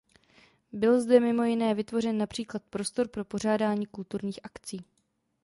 Byl zde mimo jiné vytvořen například prostor pro pořádání kulturních akcí.